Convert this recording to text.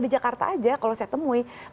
di jakarta aja kalau saya temukan kalau saya lihat